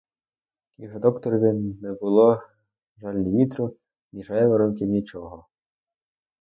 І вже докторові не було жаль ні вітру, ні жайворонків, нічого.